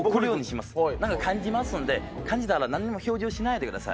何か感じますんで感じたら何も表情しないでください。